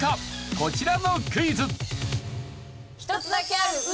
こちらのクイズ。